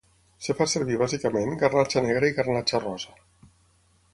Es fa servir bàsicament garnatxa negra i garnatxa rosa.